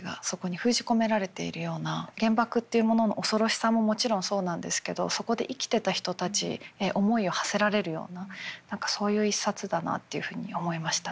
原爆っていうものの恐ろしさももちろんそうなんですけどそこで生きてた人たちへ思いをはせられるような何かそういう一冊だなっていうふうに思いましたね。